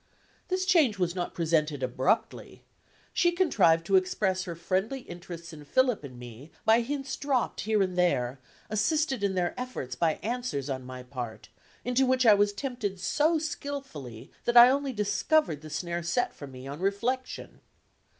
This change was not presented abruptly. She contrived to express her friendly interests in Philip and in me by hints dropped here and there, assisted in their effort by answers on my part, into which I was tempted so skillfully that I only discovered the snare set for me, on reflection.